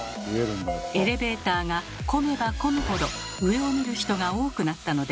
エレベーターが混めば混むほど上を見る人が多くなったのです。